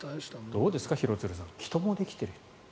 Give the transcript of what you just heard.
どうですか、廣津留さん人もできている。